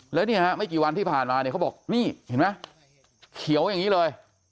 แล้วเนี่ยฮะไม่กี่วันที่ผ่านมาเนี่ยเขาบอกนี่เห็นไหมเขียวอย่างนี้เลย